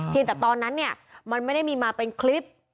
แต่ตอนนั้นเนี่ยมันไม่ได้มีมาเป็นคลิป